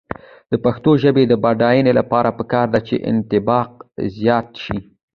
د پښتو ژبې د بډاینې لپاره پکار ده چې انطباق زیات شي.